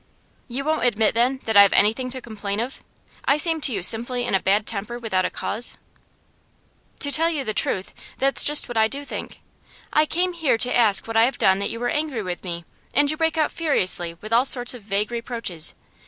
'You won't admit, then, that I have anything to complain of? I seem to you simply in a bad temper without a cause?' 'To tell you the truth, that's just what I do think. I came here to ask what I had done that you were angry with me, and you break out furiously with all sorts of vague reproaches.